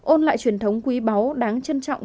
ôn lại truyền thống quý báu đáng trân trọng